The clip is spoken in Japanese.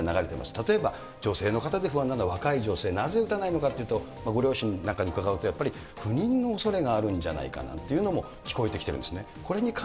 例えば女性の方で不安なのは、若い女性がなぜ打たないのかというと、ご両親なんかに伺うと、やっぱり、不妊のおそれがあるんじゃないかっていうのも、聞こえてきてるんですね。